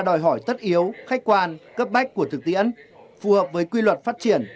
đòi hỏi tất yếu khách quan cấp bách của thực tiễn phù hợp với quy luật phát triển